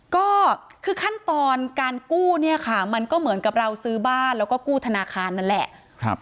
ก็คือขั้นตอนการกู้เนี่ยค่ะมันก็เหมือนกับเราซื้อบ้านแล้วก็กู้ธนาคารนั่นแหละ